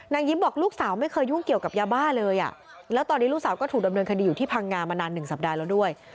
ยิ้มบอกลูกสาวไม่เคยยุ่งเกี่ยวกับยาบ้าเลยอ่ะแล้วตอนนี้ลูกสาวก็ถูกดำเนินคดีอยู่ที่พังงามานานหนึ่งสัปดาห์แล้วด้วย